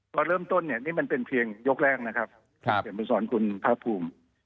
ตอนเริ่มต้นนี่มันเป็นเพียงยกแรกนะครับสอนคุณพระปูม